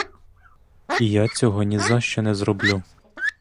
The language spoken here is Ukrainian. І я цього нізащо не зроблю!